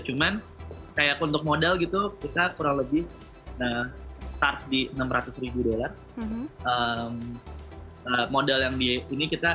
cuman kayak untuk modal gitu kita kurang lebih start di enam ratus ribu dolar